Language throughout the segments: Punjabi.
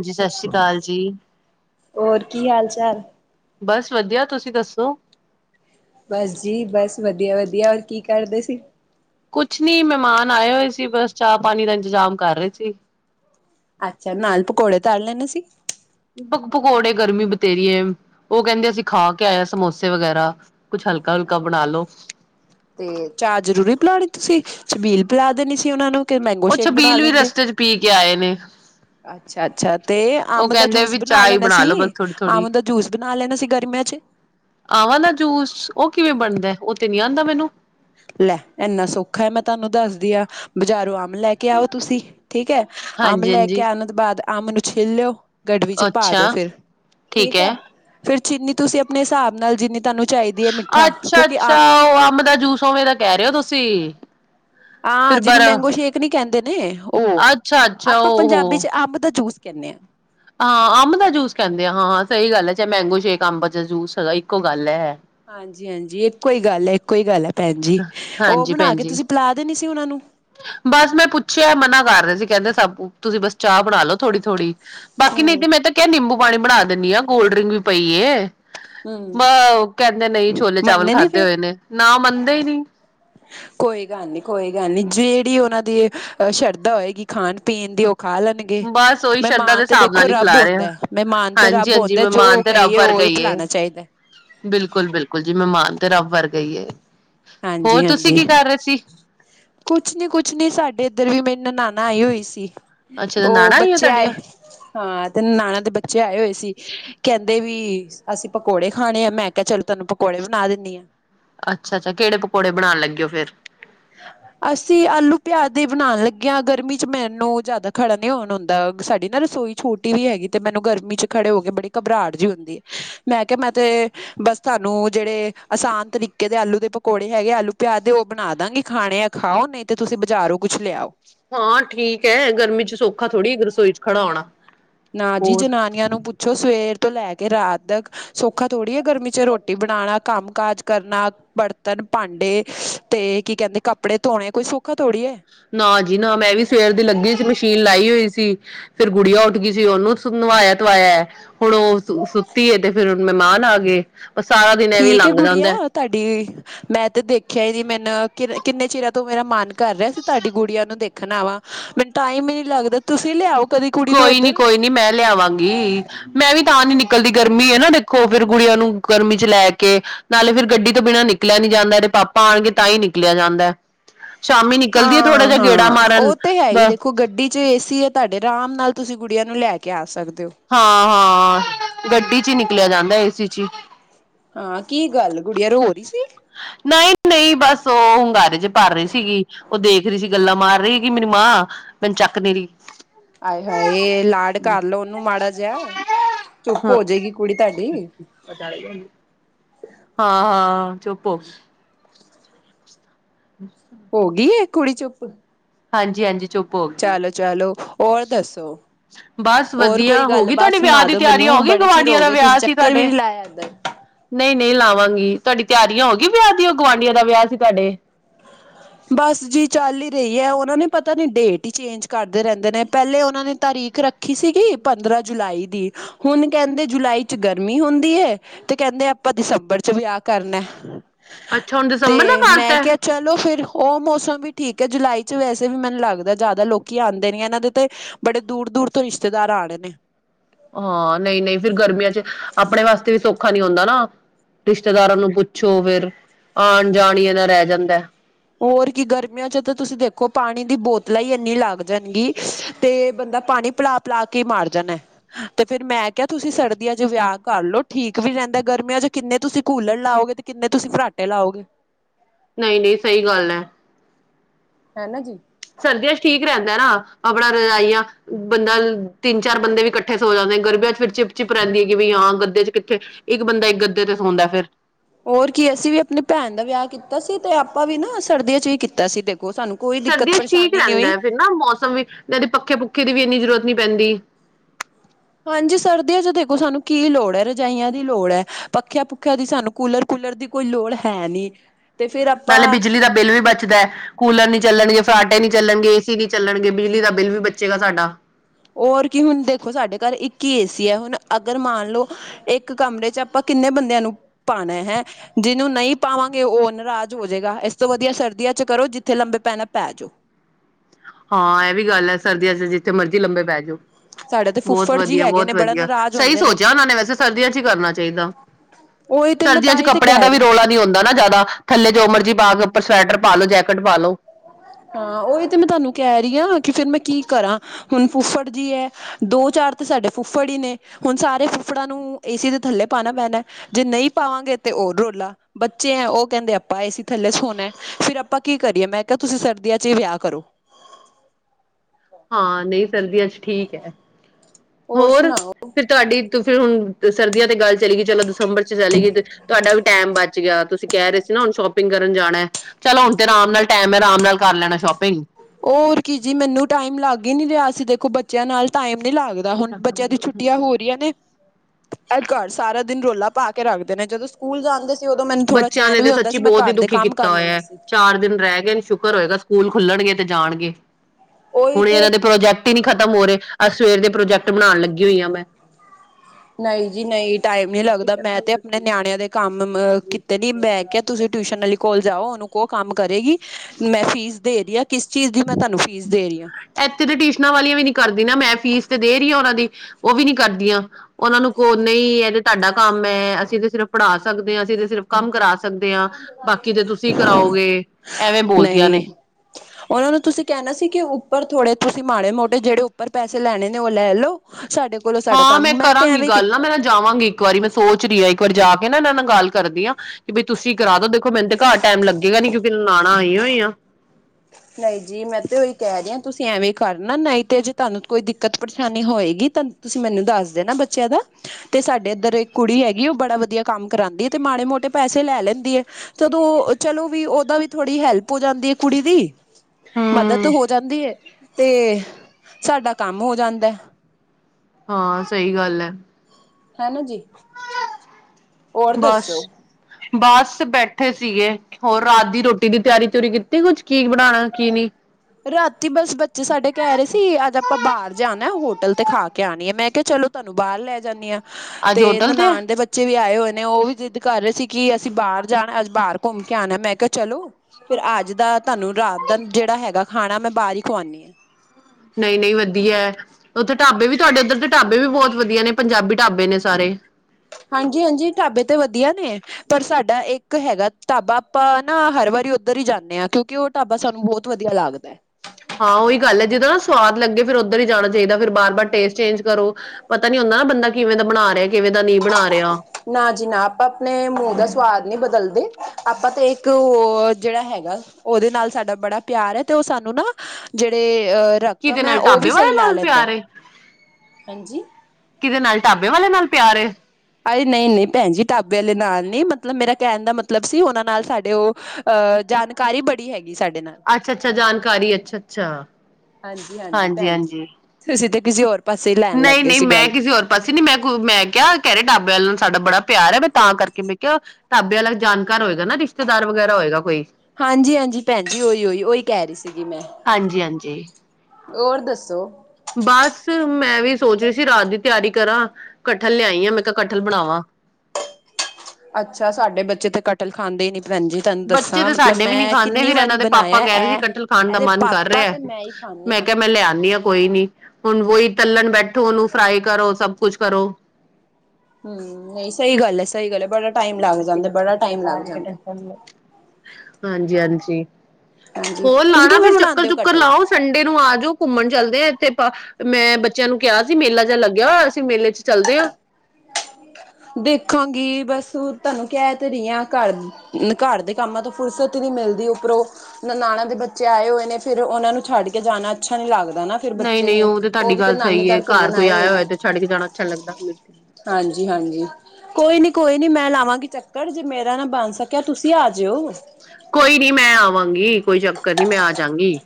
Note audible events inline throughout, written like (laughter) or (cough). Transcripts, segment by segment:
ਜੀ ਸ ਸ਼੍ਰੀ ਕਾਲ ਜੀ। ਹੋਰ ਕੀ ਹਾਲ ਚਾਲ? ਬਸ ਵਧੀਆ ਤੁਸੀਂ ਦੱਸੋ? ਬਸ ਜੀ ਬਸ ਵਧੀਆ-ਵਧੀਆ ਹੋਰ ਕੀ ਕਰਦੇ ਸੀ? ਕੁਛ ਨੀ ਮਹਿਮਾਨ ਆਏ ਹੋਏ ਸੀ ਬਸ ਚਾਹ, ਪਾਣੀ ਦਾ ਇੰਤਜ਼ਾਮ ਕਰ ਰੇ ਸੀ। ਅੱਛਾ ਨਾਲ ਪਕੌੜੇ ਤੱਲ ਲੈਣੇ ਸੀ। ਪਕੌੜੇ ਗਰਮੀ ਬਤੇਰੀ ਏ ਓ ਕਹਿੰਦੇ ਅਸੀਂ ਖਾ ਕੇ ਆਏ ਆ ਸਮੋਸੇ ਵਗੈਰਾ। ਕੁਛ ਹਲਕਾ ਹੁਲਕਾ ਬਣਾ ਲੋ। 'ਤੇ ਚਾਹ ਜਰੂਰੀ ਪਿਲਾਣੀ ਤੁਸੀਂ ਛਬੀਲ ਪਿਲਾ ਦੇਣੀ ਸੀ ਉਨਾ ਨੂੰ ਕੇ ਮੈਂਗੋ ਉਹ ਸ਼ੇਕ ਬਣਾ ਛਬੀਲ ਵੀ ਲੈਂਦੇ। ਰਸਤੇ ਚ ਪੀ ਕੇ ਆਏ ਨੇ। ਅੱਛਾ-ਅੱਛਾ 'ਤੇ ਉਹ ਅੰਬ ਦਾ ਕਹਿੰਦੇ ਜੂਸ ਵੀ ਬਣਾ ਚਾਹ ਹੀ ਲੈਣਾ ਸੀ। ਲੋ ਬਸ ਥੋੜ੍ਹੀ ਥੋੜ੍ਹੀ ਅੰਬ ਦਾ ਜੂਸ ਬਣਾ ਲੈਣਾ ਸੀ ਗਰਮੀਆਂ 'ਚ। ਆਵਾਂ ਦਾ ਜੂਸ ਓ ਕਿਵੇਂ ਬਣਦਾ ਐ ਓ 'ਤੇ ਨੀ ਆਂਦਾ ਮੈਨੂੰ। ਲੈ ਇੰਨਾ ਸੌਖਾ ਐ ਮੈਂ ਤੁਹਾਨੂੰ ਦੱਸਦੀ ਆ ਬਜ਼ਾਰੋਂ ਅੰਮ ਲੈ ਕੇ ਆਓ ਤੁਸੀਂ ਠੀਕ ਐ ਅੰਬ ਹਾਂਜੀ ਲੈ ਹਾਂਜੀ ਕੇ ਆਣ ਤੋਂ ਬਾਅਦ ਅੰਬ ਨੂੰ ਛਿੱਲ ਲਓ ਗੜਵੀ ਚ ਪਾ ਦੋ ਅੱਛਾ ਫੇਰ, ਠੀਕ ਆ, ਫੇਰ ਚੀਨੀ ਤੁਸੀਂ ਆਪਣੇ ਹੀਸਾਬ ਨਾਲ ਜੀਨੀ ਧਾਨੂੰ ਚਾਈ ਅੱਛਾ ਛਾ ਓਂ ਅੰਬ ਦਾ ਜੂਸ ਓਂਵੇਂ ਦਾ ਕੈ ਰਏ ਓਂ ਤੁਸੀਂ। ਆਂ ਫਿਰ ਬਰ ਜੇਨੂੰ ਮੈਂਗੋ ਸ਼ੇਕ ਨੀ ਕੈਂਦੇ ਨੇ, ਓ, ਅੱਛਾ ਅੱਛਾ ਆਪਾਂ ਉਹ ਪੰਜਾਬੀ ਹੋ ਚ ਅੰਬ ਦਾ ਜੂਸ ਕੈਂਨੇ ਆਂ। ਹਾਂ ਅੰਮ ਦਾ ਜੂਸ ਕੈਂਦੇ ਆ ਹਾਂ ਸੲਈ ਗੱਲ ਐ ਚੈਂ ਮੈਂਗੋ ਸ਼ੇਕ ਅੰਬ ਦਾ ਜੂਸ ਹੈਗਾ ਈਕੋ ਗੱਲ ਐ। ਹਾਂਜੀ-ਹਾਂਜੀ ਈਕੋ ਈ ਗੱਲ ਐ ਈਕੋ ਈ ਗੱਲ ਐ ਭੈਣ ਜੀ, ਓ ਹਾਂਜੀ ਬਣਾ ਭੈਣ ਕੇ ਜੀ ਤੁਸੀਂ ਪੀਲਾ ਦੇਣੀ ਸੀ ਓਨਾਂ ਨੂੰ। ਬਸ ਮੈਂ ਪੁੱਛੇਆ ਮਨਾ ਕਰ ਰਏ ਸੀ ਕੈਂਦੇ ਸਾਬੁ ਤੁਸੀਂ ਬਸ ਚਾਅ ਬਣਾ ਲੋ ਥੋੜੀ-ਥੋੜੀ, ਬਾਕੀ ਨੀ ਹੂੰ ਤੇ ਮੈਂ ਤੇ ਕੇਆ ਨੀਬੂ ਪਾਣੀ ਬਣਾ ਦੇਨੀ ਆ ਕੋਲਡਰੀਕ ਵੀ ਪਈ ਏ ਹੂੰ। ਮਾ ਕੈਂਦੇ ਨਈ ਛੋਲੇ ਚਾਵਲ ਮੰਨੇ ਨੀ ਖਾਧੇ ਫਿਰ ਹੋਏ ਨੇ ਨਾ ਮੰਨਦੇ ਈ ਨੀ। ਕੋਈ ਗੱਲ ਨੀ ਕੋਈ ਗੱਲ ਨੀ ਜੇੜੀ ਓਨਾਂ ਦੀ ਏ ਸ਼ਰਧਾ ਹੋਏਗੀ ਖਾਣ-ਪੀਣ ਦੀ ਓ ਖਾ ਲੈਣ ਗੇ ਬਸ ਉਹੀ ਸ਼ਰਧਾ ਦੇ ਮੈਮਾਨ ਤੇ ਹਿਸਾਬ ਦੇਖੋ ਨਾਲ ਹੀ ਰੱਬ ਖਿਲਾ ਰਹੇ ਆ ਹੁੰਦੈ, ਮੈਮਾਨ ਤੇ ਹਾਂਜੀ ਰੱਬ ਹਾਂਜੀ ਹੁੰਦੈ ਜੋ ਓ ਕਈਏ ਓਈਓ ਪੈਲਾਣਾ ਚਾਈਦੈ। ਬਿਲਕੁਲ-ਬਿਲਕੁਲ ਜੀ ਮਾਮਾਨ ਤੇ ਰੱਬ ਵਰਗਾ ਈ ਐ, ਹੋਰ ਹਾਂਜੀ ਤੁਸੀਂ ਹਾਂਜੀ। ਕੀ ਕਰ ਰਏ ਸੀ? ਕੁਛ ਨੀ, ਕੁਛ ਨੀ ਸਾਡੇ ਏਦਰ ਰ ਵੀ ਮੇਰੀ ਨਨਾਨਾ ਆਈ ਹੋਈ ਸੀ, ਅੱਛਾ ਓ ਨਨਾਣਾ ਆਈਆਂ ਬੱਚੇ ਆਏ ਤੁਹਾਡੀਆਂ ਹਾਂ ਤੇ ਨਾਅਨਾ ਦੇ ਬੱਚੇ ਆਏ ਹੋਏ ਸੀ। ਕੈਂਦੇ ਵੀ, ਅਸੀਂ ਪਕੌੜੇ ਖਾਣੇ ਆ ਮੈਂ ਕੇਆ ਚਲ ਧਾਨੂੰ ਪਕੌੜੇ ਬਣਾ ਦੀਨੀ ਆਂ। ਅੱਛਾ-ਅੱਛਾ ਕੇੜੇ ਪਕੌੜੇ ਬਣਾ ਲੱਗੇ ਓ ਫੇਰ? ਅਸੀਂ ਆਲੂ ਪੇਆ ਦੇ ਬਣਾਣ ਲੱਗੇ ਆਂ ਗਰਮੀ ਚ ਮੈਨੂੰ ਜਾਦਾ ਖੜਾ ਨਈ ਹੋਣ ਹੁੰਦਾ ਸਾਡੀ ਨਾ ਰਸੋਈ ਛੋਟੀ ਵੀ ਹੈਗੀ ਤੇ ਮੈਨੂੰ ਗਰਮੀ ਚ ਖੜੇ ਹੋ ਗਏ ਬੜੀ ਘਬਰਾਟ ਜਹੀ ਹੁੰਦੀ ਏ, ਮੈਂ ਕੇਆ ਮੈਂ ਤੇ ਬਸ ਧਾਨੂੰ ਜੇੜੇ, ਅਸਾਨ ਤਰੀਕੇ ਦੇ ਆਲੂ ਦੇ ਪਕੌੜੇ ਹੈਗੇ ਆਲੂ ਪੇਆਜ ਦੇ ਓ ਬਣਾ ਦਾਂਗੀ। ਖਾਣੇ ਆ ਖਾਓ ਨਈ ਤੇ ਤੁਸੀਂ ਬਜ਼ਾਰੋ ਕੁੱਛ ਲੇਆਓ। ਹਾਂ ਠੀਕ ਏ ਗਰਮੀ ਚ ਸੌਖਾ ਥੋੜੀ ਰਸੋਈ ਚ ਖੜਾ ਹੋਣਾ। ਨਾ ਜੀ ਹੋਰ ਜਨਾਨੀਆਂ ਨੂੰ ਪੁੱਛੋ ਸਵੇਰ ਤੋਂ ਲੈ ਕੇ ਰਾਤ ਤੱਕ ਸੌਖਾ ਥੋੜੀ ਐ ਗਰਮੀ ਚ ਰੋਟੀ ਬਣਾਣਾ ਕੰਮ-ਕਾਜ ਕਰਨਾ ਬੜਤਨ ਭਾਂਡੇ ਤੇ ਕੀ ਕੈਂਦੇ ਕੱਪੜੇ ਧੋਣੇ ਕੋਈ ਸੌਖਾ ਥੋੜੀ ਐ। ਨਾ ਜੀ ਨਾ ਮੈਂ ਵੀ ਸੇਰ ਦੀ ਲੱਗੀ ਹੋਈ ਚ ਮਸ਼ੀਨ ਲਾਈ ਹੋਈ ਸੀ। ਫੇਰ ਗੁੜੀਆਂ ਓਠ ਗਈ ਸੀ ਓਨੂੰ ਨਵਾਏਆ ਧਵਾਏਆ ਐ। ਹੁਣ ਓ ਸੁੱਤੀ ਤੇ ਫੇਰ ਮੈਮਾਨ ਆ ਗੇ। ਬ ਸਾਰਾ ਦੀਨ ਠੀਕ ਏ ਗੁੜੀਆ ਧਾਡੀ? ਮੈਂ ਤੇ ਦੇਖੇਆ ਈ ਨੀ ਮੈਨੂੰ ਕਿ ਕਿੰਨੇ ਚੀਰਾਂ ਤੋਂ ਮੇਰਾ ਮਨ ਕਰ ਰੇਆ ਸੀ ਤਧਾਡੀ ਗੁੜੀਆਂ ਨੂੰ ਦੇਖਣਾ ਅਵਾ। ਮੈ ਟਾਈਮ ਈ ਨੀ ਲੱਗਦਾ ਤੁਸੀਂ ਲੇਆਓ। ਕੋਈ ਨੀ, ਕੋਈ ਨੀ ਮੈਂ ਲੇਆਂਵਾਂਗੀ। ਮੈਂ ਵੀ ਤਾਂ ਨੀ ਨਿਕਲਦੀ ਗਰਮੀ ਐ ਨਾ ਦੇਖੋ ਫੇਰ ਗੁੜੀਆਂ ਨੂੰ ਗਰਮੀ ਚ ਲੈ ਕੇ ਨਾਲੇ ਫੇਰ ਗੱਡੀ ਤੋਂ ਬੀਨਾਂ ਨਿਕਲੇਆ ਨੀ ਜਾਂਦਾ ਏਦੇ ਪਾਪਾ ਆਣਗੇ ਤਾਂ ਈ ਨੀਕਲੇਆ ਜਾਂਦੈ। ਸ਼ਾਮੀ ਨਿਕਲਦੀ ਆ ਥੋੜਾ ਹਾਂ ਜੇਆ ਗੇੜਾ ਹਾਂ ਮਾਰਨ ਉਹ ਹੈ ਹੀ ਬ ਦੇਖੋ ਗੱਡੀ ਤੇ ਏਸੀ ਏ ਧਾਡੇ ਰਾਮ ਨਾਲ ਤੁਸੀਂ ਗੁੜੀਆਂ ਨੂੰ ਲੈ ਕੇ ਆ ਸਕਦੇ ਓ। ਹਾਂ-ਹਾਂ ਗੱਡੀ ਚ ਈ ਨੀਕਲੇਆ ਜਾਂਦਾ ਏ ਸੀ ਚ ਈ। ਆ ਕੀ ਗੱਲ ਗੁੜੀਆ ਰੋ ਰੀ ਸੀ? ਨਈ-ਨਈ ਬਸ ਓ ਉਗਾਰੇ ਚ ਭਰ ਰਈ ਸੀਗੀ। ਓ ਦੇਖ ਰਈ ਸੀ ਗੱਲਾਂ ਮਾਰ ਰਈ ਕੀ ਮੇਰੀ ਮਾਂ, ਮੈਨੂੰ ਚੱਕ ਨੀ ਰੀ। ਆਏ ਹਾਏ ਲਾਡ ਕਰ ਲੋ ਓਨੂੰ ਮਾੜਾ ਜੇਆ, ਚੁੱਪ ਹੋ ਜੇਗੀ ਕੁੜੀ ਧਾਡੀ। ਪਤਾ (unintelligible) ਹਾਂ ਹਾਂ ਚੁਪ ਓ। ਅੱਛਾ। ਹੋ ਗਈ ਏ ਕੁੜੀ ਚੁੱਪ ਹਾਂਜੀ-ਹਾਂਜੀ ਚੁੱਪ ਹੋ ਗਈ ਚਲੋ-ਚਲੋ ਹੋਰ ਦੱਸੋ ਬਸ ਹੋਰ ਵਧੀਆ, ਕੋਈ ਹੋ ਗਈ ਗੱਲਬਾਤ ਤੁਹਾਡੀ ਵਿਆਹ ਸੁਣਾ ਦੀ ਦੋ ਤਿਆਰੀ ਹੋ ਮੈਨੂੰ ਗਈ ਬੜੇ ਚਿਰ ਹੋ ਗੁਆਂਢੀਆਂ ਦਾ ਗਏ ਤੁਸੀਂ ਵਿਆਹ ਸੀ ਚੱਕਰ ਵੀ ਤੁਹਾਡੇ। ਨੀ ਲਾਇਆ ਇੱਧਰ ਨਹੀਂ-ਨਹੀਂ ਲਾਵਾਂਗੀ, ਤੁਹਾਡੀ ਤਿਆਰੀਆਂ ਹੋ ਗਈ ਵਿਆਹ ਦੀ ਉਹ ਗੁਆਂਢੀਆਂ ਦਾ ਵਿਆਹ ਸੀ ਤੁਹਾਡੇ। ਬਸ ਜੀ ਚੱਲ ਹੀ ਰਹੀ ਹੈ, ਉਹਨਾਂ ਨੇ ਪਤਾ ਨੀ ਡੇਟ ਹੀ ਚੇਂਜ ਕਰਦੇ ਰਹਿੰਦੇ ਨੇ ਪਹਿਲੇ ਉਹਨਾਂ ਨੇ ਤਾਰੀਖ ਰੱਖ ਰਖੀ ਸੀਗੀ ਪੰਦਰਾਂ ਜੁਲਾਈ ਦੀ, ਹੁਣ ਕਹਿੰਦੇ ਜੁਲਾਈ ਚ ਗਰਮੀ ਹੁੰਦੀ ਹੈ। ਤੇ ਕਹਿੰਦੇ ਆਪਾਂ ਦਸੰਬਰ ਚ ਵਿਆਹ ਕਰਨਾ। ਅੱਛਾ ਹੁਣ ਦਸੰਬਰ ਦਾ ਤੇ ਮੈਂ ਕਰਤਾ ਕਿਹਾ ਚਲੋ ਫਿਰ ਉਹ ਮੌਸਮ ਵੀ ਠੀਕ ਹੈ, ਜੁਲਾਈ 'ਚ ਵੈਸੇ ਵੀ ਮੈਨੂੰ ਲੱਗਦਾ ਜ਼ਿਆਦਾ ਲੋਕ ਆਉਂਦੇ ਨੇ ਇਹਨਾਂ ਦੇ ਤਾਂ ਬੜੇ ਦੂਰ-ਦੂਰ ਤੋਂ ਰਿਸ਼ਤੇਦਾਰ ਆਣੇ ਨੇ। ਹਾਂ ਨਹੀਂ-ਨਹੀਂ ਫਿਰ ਗਰਮੀਆਂ ਚ ਆਪਣੇ ਵਾਸਤੇ ਵੀ ਸੌਖਾ ਨਹੀਂ ਹੁੰਦਾ ਨਾ ਰਿਸ਼ਤੇਦਾਰਾਂ ਨੂੰ ਪੁੱਛੋ ਫਿਰ ਆਉਣ ਜਾਣ ਇਹਨਾ ਰਹਿ ਜਾਂਦਾ ਹੈ। ਹੋਰ ਕੀ ਗਰਮੀਆਂ ਚ ਤਾਂ ਤੁਸੀਂ ਦੇਖੋ ਪਾਣੀ ਦੀ ਬੋਤਲਾਂ ਹੀ ਇੰਨੀ ਲੱਗ ਜਾਣਗੀ, ਤੇ ਬੰਦਾ ਪਾਣੀ। ਪਿਲਾ ਪਿਲਾ ਕੇ ਮਾਰ ਜਾਣਾ। ਤੇ ਫਿਰ ਮੈਂ ਕਿਹਾ ਤੁਸੀਂ ਸਰਦੀਆਂ ਚ ਵਿਆਹ ਕਰ ਲੋ ਠੀਕ ਵੀ ਰਹਿੰਦਾ, ਗਰਮੀਆਂ ਚ ਕਿੰਨੇ ਤੁਸੀਂ ਕੂਲਰ ਲਾਓਗੇ। ਕਿੰਨੇ ਤੁਸੀਂ ਫਰਾਟੇ ਲਾਓਗੇ। ਨਹੀਂ ਨਹੀਂ ਸਹੀ ਗੱਲ ਹੈ। ਹੈ ਨਾ ਜੀ। ਸਰਦੀਆਂ ਚ ਠੀਕ ਰਹਿੰਦਾ ਨਾ, ਆਪਣਾ ਰਜਾਈਆਂ ਬੰਦਾ ਤਿੰਨ ਚਾਰ ਬੰਦੇ ਵੀ ਇਕੱਠੇ ਸੋਂ ਜਾਂਦੇ ਗਰਬੀਆਂ ਚ ਫਿਰ ਚਿਪ ਚਿੱਪ ਰਹਿੰਦੀ ਹੈ ਕਿ ਵੀ ਹਾਂ ਗੱਦੇ ਚ ਕਿੱਥੇ, ਇੱਕ ਬੰਦਾ ਇੱਕ ਗੱਦੇ ਤੇ ਸੌਂਦਾ ਫਿਰ। ਹੋਰ ਕੀ ਅਸੀਂ ਵੀ ਆਪਣੀ ਭੈਣ ਦਾ ਵਿਆਹ ਕੀਤਾ ਸੀ, ਤੇ ਆਪਾਂ ਵੀ ਨਾ ਸਰਦੀਆਂ ਚ ਵੀ ਕੀਤਾ ਸੀ ਦੇਖੋ ਸਾਨੂੰ। ਕੋਈ ਦਿੱਕਤ ਸਰਦੀਆਂ ਚ ਠੀਕ ਪਰੇਸ਼ਾਨੀ ਨਹੀਂ ਰਹਿੰਦਾ ਹੋਈ ਹੈ ਫਿਰ ਨਾ ਮੌਸਮ ਵੀ, ਇਹਦੀ ਪੱਖੇ ਪੱਖੇ ਦੀ ਵੀ ਇੰਨੀ ਜ਼ਰੂਰਤ ਨਹੀਂ ਪੈਂਦੀ। ਹਾਂਜੀ ਸਰਦੀਆਂ ਚ ਦੇਖੋ ਸਾਨੂੰ ਕੀ ਲੋੜ ਹੈ, ਰਜਾਈਆਂ ਦੀ ਲੋੜ ਹੈ ਪੱਖਿਆ ਪੁੁੱਖਿਆਂ ਦੀ ਸਾਨੂੰ ਕੂਲਰ ਪੂਲਰ ਦੀ ਕੋਈ ਲੋੜ ਹੈ ਨਹੀਂ। ਨਾਲੇ ਬਿਜਲੀ ਦਾ ਬਿੱਲ ਵੀ ਬਚਦਾ ਹੈ। ਕੂਲਰ ਨੀ ਚੱਲਣਗੇ, ਫਰਾਟੇ ਨੀ ਚੱਲਣਗੇ, ਏ ਸੀ ਨੀ ਚੱਲਣਗੇ ਬਿਜਲੀ ਦਾ ਬਿੱਲ ਵੀ ਬਚੇਗਾ ਸਾਡਾ। ਹੋਰ ਕੀ ਹੁਣ ਦੇਖੋ ਸਾਡੇ ਘਰ ਇੱਕ ਹੀ ਏ ਸੀ ਹੈ, ਹੁਣ ਅਗਰ ਮੰਨ ਲਓ ਇੱਕ ਕਮਰੇ ਚ ਆਪਾਂ ਕਿੰਨੇ ਬੰਦਿਆਂ ਨੂੰ ਪਾਉਣਾ ਹੈ। ਜਿਹਨੂੰ ਨਹੀਂ ਪਾਵਾਂਗੇ ਉਹ ਨਰਾਜ਼ ਹੋ ਜਾਏਗਾ, ਇਸ ਤੋਂ ਵਧੀਆ ਸਰਦੀਆਂ ਚ ਕਰੋ ਜਿੱਥੇ ਲੰਬੇ ਪੈਨ ਪੈ ਜਾਓ। ਹਾਂ ਇਹ ਵੀ ਗੱਲ ਹੈ ਸਰਦੀਆਂ ਚ ਜਿੱਥੇ ਮਰਜੀ ਲੰਬੇ ਪਹਿ ਜਾਓ। ਸਾਡੇ ਤੇ ਬਹੁਤ ਫੁੱਫੜ ਜੀ ਵਧੀਆ ਹੈਗੇ ਨੇ ਬਹੁਤ ਬੜਾ ਵਧੀਆ, ਨਾਰਾਜ਼ ਸਹੀ ਹੁੰਦੇ ਸੋਚਿਆ ਉਹਨਾਂ ਨੇ ਵੈਸੇ ਸਰਦੀਆਂ ਚ ਹੀ ਕਰਨਾ ਚਾਹੀਦਾ। ਉਹੀ ਤੇ ਮੈਂ ਸਰਦੀਆਂ ਤਾਂ ਚ ਹੀ ਤੇ ਕੱਪੜਿਆਂ ਦਾ ਕਹਿ ਵੀ ਰਹੀ ਹਾਂ ਰੌਲਾ ਨਹੀਂ ਹੋਂਦਾ ਨੀ ਜ਼ਿਆਦਾ। ਥਲੇ ਜੋ ਮਰਜੀ ਪਾਕੇ ਉਪਰ ਸਵੈਟਰ ਪਾ ਲੋ ਜੈਕਟ ਪਾਲ ਲੋ। ਹਾਂ ਉਹ ਇਹ ਤੇ ਮੈਂ ਤੁਹਾਨੂੰ ਕਹਿ ਰਹੀ ਹਾਂ ਕਿ ਫਿਰ ਮੈਂ ਕੀ ਕਰਾਂ, ਹੁਣ ਫੁੱਫੜ ਜੀ ਹੈ। ਦੋ ਚਾਰ ਤੇ ਸਾਡੇ ਫੁੱਫੜ ਹੀ ਨੇ, ਹੁਣ ਸਾਰੇ ਫੁੱਫੜਾਂ ਨੂੰ ਏਸੀ ਦੇ ਥੱਲੇ ਪਾਉਣਾ ਪੈਣਾ। ਜੇ ਨਹੀਂ ਪਾਵਾਂਗੇ ਤੇ ਉਹ ਰੋਲਾ। ਬੱਚੇ ਹੈ ਉਹ ਕਹਿੰਦੇ ਆਪਾਂ ਏ ਸੀ ਥੱਲੇ ਸੋਣਾ, ਫੇਰ ਆਪਾਂ ਕੀ ਕਰੀਏ ਮੈਂ ਕਿਹਾ ਤੁਸੀਂ ਸਰਦੀ ਸਰਦੀਆਂ ਈ ਵਿਆਹ ਕਰੋ। ਹਾਂ ਨਹੀਂ ਸਰਦੀਆਂ ਚ ਠੀਕ ਹੈ। ਹੋਰ ਫਿਰ ਤੁਹਾਡੀ ਤੂੰ ਫਿਰ ਹੁਣ ਸਰਦੀਆਂ ਤੇ ਗੱਲ ਚਲੀ ਗਈ, ਚਲੋ ਦਸੰਬਰ ਚ ਚਲੀ ਗਈ ਤੇ ਤੁਹਾਡਾ ਵੀ ਟਾਈਮ ਬਚ ਗਿਆ ਤੁਸੀਂ ਕਹਿ ਰਹੇ ਸੀ ਨਾ ਹੁਣ ਸ਼ੋਪਿੰਗ ਕਰਨ ਜਾਣਾ, ਚਲੋ ਹੁਣ ਤੇ ਆਰਾਮ ਨਾਲ ਟਾਈਮ ਹੈ ਆਰਾਮ ਨਾਲ ਕਰ ਲੈਣਾ ਸ਼ੋਪਿੰਗ। ਹੋਰ ਕੀ ਜੀ ਮੈਨੂੰ ਟਾਈਮ ਲੱਗ ਹੀ ਨਹੀਂ ਰਿਹਾ ਸੀ, ਦੇਖੋ ਬੱਚਿਆਂ ਨਾਲ ਟਾਈਮ ਨੀ ਲੱਗਦਾ। ਤਾਂ ਹੁਣ ਬੱਚਿਆਂ ਦੀ ਛੁੱਟੀਆਂ ਹੋ ਹੋ ਗਈਆ ਨੇ ਏ ਘਰ ਸਾਰਾ ਦਿਨ ਰੋਲਾ ਪਾ ਕੇ ਰੱਖਦੇ ਨੇ ਜਦੋਂ ਸਕੂਲ ਜਾਂਦੇ। ਸੀ ਉਦੋਂ ਮੈਨੂੰ ਥੋੜਾ ਬੱਚਿਆਂ ਨੇ ਚੈਨ ਤੇ ਵੀ ਹੁੰਦਾ ਸੱਚੀ ਸੀ ਮੈਂ ਬਹੁਤ ਹੀ ਘਰ ਦੇ ਦੁਖੀ ਕੰਮ ਕੀਤਾ ਕਰ ਹੋਇਆ ਲੈਂਦੀ ਏ ਸੀ ਚਾਰ ਦਿਨ ਰਹਿ ਗਏ ਸ਼ੁ ਕਰ ਹੋਏਗਾ ਸਕੂਲ ਖੁੱਲਣਗੇ ਤੇ ਜਾਣਗੇ ਉਹੀ ਹੁਣ ਤੇ ਇਹਨਾਂ ਦੇ ਪ੍ਰੋਜੈਕਟ ਟੀ ਨਹੀਂ ਖਤਮ ਹੋ ਰਹੇ ਅੱਜ ਸਵੇਰ ਦੇ ਪ੍ਰੋਜੈਕਟ ਬਣਾਉਣ ਲੱਗੀ ਹੋਈ ਆ ਮੈਂ। ਨਈ ਜੀ ਨਈ ਟਾਈਮ ਨੀ ਇੱਕ ਲੱਗਦਾ ਮੈਂ ਅੱਧਾ ਤੇ ਵਰਡ ਆਪਣੇ ਨਿਆਣਿਆਂ ਦੇ ਕੰਮ ਕੀਤੇ ਨੀ ਮੈਂ ਯਾਦ ਕਿਹਾ ਨਹੀਂ ਤੁਸੀਂ ਆਤਾ ਟਿਊਸ਼ਨ ਕੁਛ। ਆਲੀ ਕੋਲ ਜਾਓ ਉਹਨੂੰ ਕਹੋ ਕੰਮ ਕਰੇਗੀ ਮੈਂ ਫੀਸ ਦੇ ਰਹੀ ਹਾਂ ਕਿਸ ਚੀਜ਼ ਦੀ ਮੈਂ ਤੁਹਾਨੂੰ ਫੀਸ ਦੇ ਰਹੀ ਹਾਂ। ਇੱਥੇ ਤਾਂ ਟਿਊਸ਼ਨਾਂ ਵਾਲੀਆਂ ਵੀ ਨੀ ਕਰਦੀ ਨਾ ਮੈਂ ਫੀਸ ਤੇ ਦੇ ਰਹੀ ਹਾਂ ਉਹਨਾਂ ਦੀ ਉਹ ਵੀ ਨੀ ਕਰਦੀਆਂ। ਉਹਨਾਂ ਨੂੰ ਕੋ ਨਹੀਂ ਇਹ ਤੇ ਤੁਹਾਡਾ ਕੰਮ ਹੈ ਅਸੀਂ ਤੇ ਸਿਰਫ ਪੜ੍ਹਾ ਸਕਦੇ ਹਾਂ ਅਸੀਂ ਤੇ ਸਿਰਫ ਕੰਮ ਕਰਾ ਸਕਦੇ ਆ ਬਾਕੀ ਤੇ ਤੁਸੀਂ ਕਰਾਓਗੇ ਐਵੇਂ ਬੋਲਦੀਆਂ ਨਹੀਂ ਨੇ। ਉਹਨਾਂ ਨੂੰ ਤੁਸੀਂ ਕਹਿਣਾ ਸੀ ਕਿ ਉੱਪਰ ਥੋੜ੍ਹੇ ਤੁਸੀਂ ਮਾੜੇ ਮੋਟੇ ਜਿਹੜੇ ਉੱਪਰ ਪੈਸੇ ਲੈਣੇ ਨੇ ਉਹ ਲੈ ਲਓ। ਸਾਡੇ ਕੋਲੋਂ ਸਾਡਾ ਹਾਂ ਕੰਮ ਮੈਂ ਤੇ ਕਰਾਂਗੀ ਐਵੇਂ ਗੱਲ ਨਾ ਕੀਤਾ। ਮੈਂ ਨਾ ਜਾਵਾਂਗੀ ਇੱਕ ਵਾਰੀ ਮੈਂ ਸੋਚ ਰਹੀ ਹਾਂ ਇੱਕ ਵਾਰੀ ਜਾ ਕੇ ਨਾ ਇਹਨਾਂ ਨਾਲ ਗੱਲ ਕਰਦੀ ਹਾਂ। ਕਿ ਬਈ ਤੁਸੀਂ ਕਰਾ ਦੋ ਦੇਖੋ ਮੈਨੂੰ ਤੇ ਘਰ ਟਾਈਮ ਲੱਗੇਗਾ ਨੀ ਕਿਉਂਕਿ ਨਨਾਣਾ ਆਈਆ ਹੋਈਆ। ਨਹੀਂ ਜੀ ਮੈਂ ਤੇ ਉਹੀ ਕਹਿ ਰਹੀ ਹਾਂ ਤੁਸੀਂ ਐਵੇਂ ਕਰਨਾ ਨਹੀਂ ਤੇ ਜੇ ਤੁਹਾਨੂੰ ਕੋਈ ਦਿੱਕਤ ਪਰੇਸ਼ਾਨੀ ਹੋਏਗੀ ਤਾਂ ਤੁਸੀਂ ਮੈਨੂੰ ਦੱਸ ਦੇਨਾ, ਬੱਚਿਆਂ ਦਾ। ਤੇ ਸਾਡੇ ਇੱਧਰ ਇੱਕ ਕੁੜੀ ਹੈਗੀ, ਉਹ ਬੜਾ ਵਧੀਆ ਕੰਮ ਕਰਾਉਂਦੀ ਹੈ ਤੇ ਮਾੜੇ -ਮੋਟੇ ਪੈਸੇ ਲੈ ਲੈਂਦੀ ਹੈ। ਤਦੋਂ ਚਲੋ ਵੀ ਉਹਦਾ ਵੀ ਥੋੜ੍ਹੀ ਹੈਲਪ ਹੋ ਜਾਂਦੀ ਹੈ, ਕੁੜੀ ਦੀ। ਮਦਦ ਹੋ ਜਾਂਦੀ ਏ ਤੇ ਸਾਡਾ ਕੰਮ ਹੋ ਜਾਂਦਾ। ਹਾਂ ਸਹੀ ਗੱਲ ਹੈ। ਹੈਨਾ ਜੀ। ਹੋਰ ਦੱਸੋ ਬਸ- ਬਸ, ਬੈਠੇ ਸੀਗੇ। ਹੋਰ ਰਾਤ ਦੀ ਰੋਟੀ ਦੀ ਤਿਆਰੀ ਤਉਰੀ ਕੀਤੀ, ਕੁਝ ਕੀ ਬਣਾਉਣਾ ਕੀ ਨੀ ਰਾਤੀ ਬਸ ਬੱਚੇ ਸਾਡੇ ਕਹਿ ਰਹੇ ਸੀ, ਅੱਜ ਆਪਾਂ ਬਾਹਰ ਜਾਣਾ ਹੋਟਲ ਤੇ ਖਾ ਕੇ ਆਉਣੀ ਹੈ ਮੈਂ ਕਿਹਾ ਚਲੋ। ਤੁਹਾਨੂੰ ਬਾਹਰ ਲੈ ਜਾਂਦੀ ਹਾਂ, ਅੱਜ ਤੇ ਹੋਟਲ ਨਨਾਣ ਦੇ ਬੱਚੇ। ਬੱਚੇ ਵੀ ਆਏ ਹੋਏ ਨੇ ਉਹ ਵੀ ਜਿੱਦ ਕਰ ਰਹੇ ਸੀ, ਕਿ ਅਸੀਂ ਬਾਹਰ ਜਾਣਾ ਅੱਜ ਬਾਹਰ ਘੁੰਮ ਕੇ ਆਉਣਾ ਮੈਂ ਕਿਹਾ ਚਲੋ। ਫੇਰ ਅੱਜ ਦਾ ਤੁਹਾਨੂੰ ਰਾਤ ਦਾ ਜਿਹੜਾ ਹੈਗਾ, ਖਾਣਾ ਮੈਂ ਬਾਹਰ ਹੀ ਖਵਾਉਦੀ ਹਾਂ। ਨਹੀਂ- ਨਹੀਂ ਵਧੀਆ ਉੱਥੇ ਢਾਬੇ ਵੀ ਤੁਹਾਡੇ, ਉੱਧਰ ਦੇ ਢਾਬੇ ਵੀ ਬਹੁਤ ਵਧੀਆ ਨੇ ਪੰਜਾਬੀ ਢਾਬੇ ਨੇ ਸਾਰੇ। ਹਾਂਜੀ -ਹਾਂਜੀ, ਢਾਬੇ ਤੇ ਵਧੀਆ ਨੇ। ਪਰ ਸਾਡਾ ਇੱਕ ਹੈਗਾ ਢਾਬਾ ਆਪਾਂ ਨਾ, ਹਰ ਵਾਰੀ ਉੱਧਰ ਹੀ ਜਾਂਦੇ ਹਾਂ ਕਿਉਂਕਿ ਉਹ। ਢਾਬਾ ਸਾਨੂੰ ਬਹੁਤ- ਵਧੀਆ ਲੱਗਦਾ ਹੈ। ਹਾਂ ਉਹੀ ਗੱਲ ਹੈ ਜਿਦਾ ਨਾ ਸਵਾਦ ਲੱਗੇ, ਫਿਰ ਉੱਧਰ ਹੀ ਜਾਣਾ ਚਾਹੀਦਾ ਫਿਰ ਬਾਰ- ਬਾਰ ਟੇਸਟ ਚੇਂਜ ਕਰੋ। ਪਤਾ ਨੀ ਹੁੰਦਾ ਨਾ ਬੰਦਾ ਕਿਵੇਂ ਦਾ ਬਣਾ ਰਿਹਾ, ਕਿਵੇਂ ਦਾ ਨਹੀਂ ਬਣਾ ਰਿਹਾ। ਨਾ ਜੀ ਨਾ ਆਪਾਂ ਆਪਣੇ ਮੂੰਹ ਦਾ ਸਵਾਦ ਨਹੀਂ, ਬਦਲਦੇ ਆਪਾਂ ਤਾਂ ਇੱਕ ਉਹ ਜਿਹੜਾ ਹੈਗਾ। ਉਹਦੇ ਨਾਲ ਸਾਡਾ ਬੜਾ ਪਿਆਰ ਹੈ, ਤੇ ਉਹ ਸਾਨੂੰ ਨਾ ਜਿਹੜੇ ਅਹ‌ ਕਿਹਦੇ ਰਕਮ ਏ, ਨਾਲ ਉਹ ਵੀ ਢਾਬੇ ਸਹੀ ਵਾਲੇ ਲਾ ਨਾਲ ਲੈਂਦਾ ਪਿਆਰ ਹੈ ਹਾਂਜੀ। ਕਿਦੇ ਨਾਲ ਢਾਬੇ ਵਾਲੇ ਨਾਲ ਪਿਆਰ ਏ ਅਰੇ ਨਹੀਂ -ਨਹੀਂ ਭੈਣ ਜੀ ਢਾਬੇ ਵਾਲੇ ਨਾਲ ਨੀ ਮਤਲਬ ਮੇਰਾ ਕਹਿਣ ਦਾ ਮਤਲਬ ਸੀ ਉਹਨਾਂ ਨਾਲ ਸਾਡੇ ਉਹ। ਅ ਜਾਣਕਾਰੀ ਬੜੀ ਹੈਗੀ ਸਾਡੇ ਨਾਲ। ਅੱਛਾ -ਅੱਛਾ ਜਾਣਕਾਰੀ ਅੱਛਾ- ਅੱਛਾ, ਹਾਂਜੀ- ਹਾਂਜੀ। ਤੁਸੀ ਤੇ ਕਿਸੇ ਹੋਰ। ਪਾਸੇ ਲੈਣ ਨਹੀਂ- ਲੱਗੇ ਨਹੀਂ ਸੀ ਮੈਂ ਗੱਲ ਕਿਸੇ ਹੋਰ। ਪਸ ਨੀ ਮੈਂ ਕੋ ਮੈਂ ਕੇਯਾ ਕੈਰੇ ਢਾਬੇ ਆਲੇ ਨਾਲ ਸਾਡਾ ਬੜਾ ਪਿਆਰ ਐ, ਮੈਂ ਤਾਂ ਕਰਕੇ ਮੈਂ ਕੇਯਾ। ਢਾਬੇ ਆਲਾ ਜਾਣਕਾਰ ਹੋਏਗਾ ਨਾ ਰਿਸ਼ਤੇਦਾਰ ਵਗੈਰਾ ਹੋਏਗਾ ਕੋਈ। ਹਾਂਜੀ-ਹਾਂਜੀ ਭੈਣ ਜੀ, ਓਈ-ਓਈ-ਓਈ ਕੈ ਰੀ ਸੀਗੀ, ਮੈਂ ਹਾਂਜੀ-ਹਾਂਜੀ ਹੋਰ ਦੱਸੋ। ਬਸ, ਮੈਂ ਵੀ ਸੋਚ ਰੀ ਸੀ, ਰਾਤ ਦੀ ਤਿਆਰੀ ਕਰਾਂ। ਕੱਠਲ ਲਿਆਈ ਆ, ਮੈਂ ਕੇਆ ਕੱਠਲ ਬਣਾਵਾ। ਅੱਛਾ, ਸਾਡੇ ਬੱਚੇ ਤੇ ਕਟਲ ਖਾਂਦੇ ਈ ਨੀ। ਭੈਣ ਜੀ ਤਾਂਨੂੰ ਬੱਚੇ ਦੱਸਾਂ ਤੇ ਮਤਲਬ, ਸਾਡੇ ਵੀ ਨੀ ਮੈਂ ਖਾਂਦੇ ਕਿੰਨੀ ਵੀ ਵਾਰੀ ਇਹਨਾਂ ਦੇ ਪਾਪਾ ਬਣਾਇਆ ਕਹਿ ਰਹੇ ਸੀ ਐ ਕਟਲ ਖਾਣ ਦਾ ਏਦੇ ਮਨ ਕਰ ਪਾਪਾ ਰਿਹਾ ਤੇ ਮੈਂ ਖਾਂਦੇ ਮੈਂ ਹਾਂ ਕੇਆ ਮੈਂ ਲਿਆ ਆਨੀ ਆ। ਕੋਈ ਨੀ, ਹੁਣ ਵੋਈ ਤੱਲਣ ਬੈਠੋ, ਓਨੂੰ ਫਰਾਈ ਕਰੋ ਸਭ ਕੁਛ ਕਰੋ। ਹੂੰ, ਸਈ ਗੱਲਾਂ ਏ ਸਈ ਗੱਲ ਏ ਬੜਾ ਟਾਈਮ ਲੱਗ ਜਾਂਦੈ, ਬੜਾ ਟਾਈਮ ਲੱਗ ਜਾਂਦੈ। ਹਾਂਜੀ-ਹਾਂਜੀ, ਹਾਂਜੀ ਹੋਰ ਤੁਸੀਂ ਲਾਣਾ ਕਿਵੇਂ ਫੇਰ ਬਣਾਉਂਦੇ ਹੋ ਚੱਕਰ-ਚੁੱਕਰ ਕਟਲ ਲਾਓ। ਸੰਡੇ ਨੂੰ ਆਜੋ, ਘੁੰਮਣ ਚੱਲਦੇ ਆ ਏਥੇ ਮੈਂ ਬੱਚੇਆਂ ਨੂੰ ਕੇਆ ਸੀ, ਮੇਲਾ ਜਾ ਲੱਗਿਆ ਹੋਯਾ, ਅਸੀਂ ਮੇਲੇ ਚ ਚੱਲਦੇ ਆਂ। ਦੇਖਾਂਗੀ ਬਸ ਤੁਆਨੂੰ ਕੈ ਤੇ ਰੀਆ, ਘਰ ਘਰ ਦੇ ਕੰਮਾਂ ਤੋਂ‌ ਫੁਰਸਤ ਈਂ ਨੀਂ ਮਿਲਦੀ, ਉੱਪਰੋ ਨਨਾਣਾ ਦੇ ਬੱਚੇ ਆਏ ਹੋਏ ਨੇ, ਫਿਰ ਓਨਾ ਨੂੰ ਛੱਡ ਕੇ ਜਾਣਾ ਅੱਛਾ ਨੀ ਲੱਗਦਾ ਨਾ। ਫਿਰ ਬੱਚੇ ਨਈਂ-ਨਈਂ ਨੇ ਓ ਤੇ ਉਹ ਤਾਡੀ ਵੀ ਗੱਲ ਨਾਨੀ ਸਈ ਏ, ਘਰ ਘੁੰਮਣ ਕੋਈ ਆਏ ਆਯਾ ਹੋਏ ਤੇ ਛੱਡ ਕੇ ਜਾਣਾ ਅੱਛਾ ਲੱਗਦਾ। ਹਾਂਜੀ-ਹਾਂਜੀ। ਕੋਈ ਨੀ ਕੋਈ ਨੀ ਮੈਂ ਲਾਵਾਂਗੀ ਚੱਕਰ, ਜੇ ਮੇਰਾ ਨਾ ਬਣ ਸਕਿਆ ਤੁਸੀਂ ਆ ਜੀਓ। ਕੋਈ ਨੀ ਮੈਂ ਆਵਾਂਗੀ, ਕੋਈ ਚੱਕਰ ਨੀ ਮੈਂ ਆ ਜਾਂਗੀ।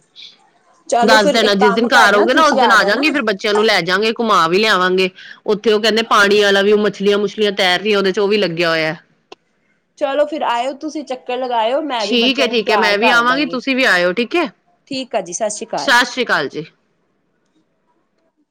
ਚਲੋ ਦੱਸ ਫਿਰ ਦੇਣਾ, ਇੱਕ ਜਿਸ ਦਿਨ ਕੰਮ ਘਰ ਹੋ ਕਰਨਾ ਗੇ ਨਾ ਉਸ ਤੁਸੀਂ ਦਿਨ ਆ ਜਾਣਾ ਜਾਂਗੇ, ਫਿਰ ਬੱਚਿਆਂ ਨੂੰ ਲੈ ਜਾਗੇ, ਘੁਮਾ ਵੀ ਲਿਆਵਾਂਗੇ। ਓਥੇ ਓ ਕੈਂਦੇ ਪਾਣੀ ਵਾਲਾ ਵੀ ਓਹ ਮੱਛਲੀਆਂ ਮੁੱਛਲੀਆਂ ਤੈਰ ਰੀਆਂ, ਓਦੇ ਓ ਵੀ ਲੱਗਿਆ ਹੋਇਆ। ਚਲੋ ਫਿਰ ਆਇਓ ਤੁਸੀਂ, ਚੱਕਰ ਲਗਾਇਓ ਮੈਂ ਵੀ ਠੀਕ ਹੈ ਬੱਚਿਆਂ ਨੂੰ ਠੀਕ ਹੈ ਤਿਆਰ ਮੈਂ ਵੀ ਕਰ ਆਵਾਂਗੀ ਦਾਂਗੀ। ਤੁਸੀਂ ਵੀ ਆਇਓ ਠੀਕ ਹੈ ਠੀਕ ਐ ਜੀ, ਸਤਿ ਸ਼੍ਰੀ ਅਕਾਲ। ਸਤਿ ਸ੍ਰੀ ਅਕਾਲ ਜੀ।